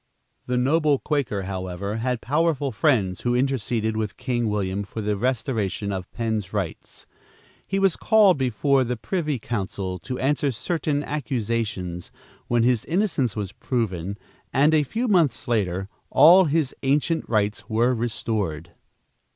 The noble Quaker, however, had powerful friends who interceded with King William for the restoration of Penn's rights. He was called before the Privy Council to answer certain accusations, when his innocence was proven, and a few months later, all his ancient rights were restored.